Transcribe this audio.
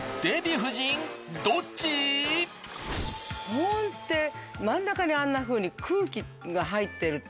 保温って真ん中にあんなふうに空気が入ってると。